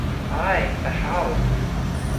Ay, but how?